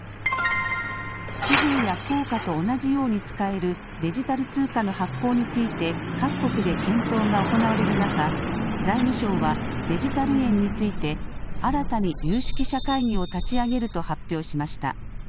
紙幣や硬貨と同じように使えるデジタル通貨の発行について各国で検討が行われる中、財務省はデジタル円について新たに有識者会議を立ち上げると発表しました。